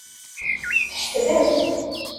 Tḥesbemt.